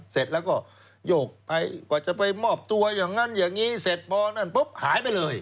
เสร็จแล้วก็โยกไปกว่าจะไปมอบตัวอย่างนั้นอย่างนี้เสร็จพอนั่นปุ๊บหายไปเลย